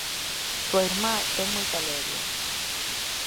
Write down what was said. Túa irmá ten moita leria.